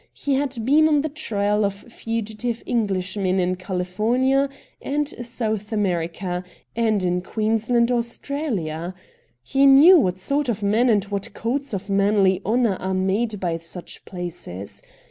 He had been on the trail of fugitive Englishmen in California and South Africa, and in Queensland, Austraha. He knew what sort of men and what codes of manly honour are made by such places.